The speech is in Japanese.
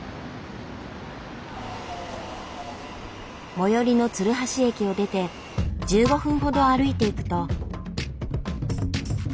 最寄りの鶴橋駅を出て１５分ほど歩いていくと。